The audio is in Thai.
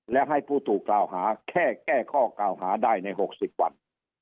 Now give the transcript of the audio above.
และให้ผู้ถูกกล่าวหาแค่แก้ข้อกล่าวหาได้ใน๖๐วัน